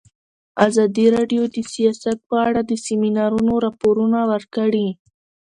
ازادي راډیو د سیاست په اړه د سیمینارونو راپورونه ورکړي.